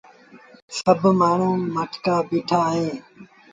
سڀ مآڻهوٚٚݩ مآٺڪآ بيٚٺآ اهيݩ